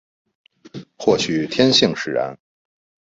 或许天性使然